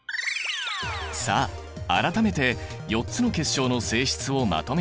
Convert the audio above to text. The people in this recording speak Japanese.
さあ改めて４つの結晶の性質をまとめよう！